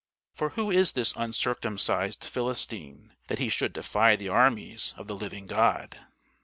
for who is this uncircumcised Philistine, that he should defy the armies of the living God?